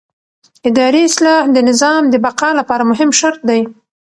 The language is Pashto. اداري اصلاح د نظام د بقا لپاره مهم شرط دی